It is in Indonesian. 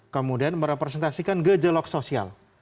kemudian merepresentasikan gejelok sosial